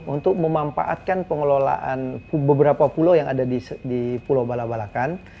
untuk memanfaatkan pengelolaan beberapa pulau yang ada di pulau bala balakan